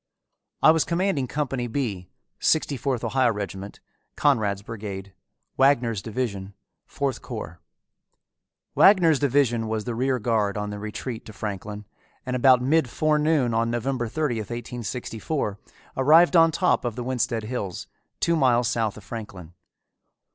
I was commanding Company B, Sixty fourth Ohio regiment, Conrad's brigade, Wagner's division, Fourth corps. Wagner's division was the rear guard on the retreat to Franklin, and about mid forenoon of November 30, 1864, arrived on top of the Winsted Hills, two miles south of Franklin.